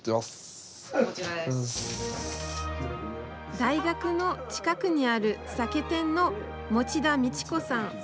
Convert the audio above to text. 大学の近くにある酒店の望田路子さん。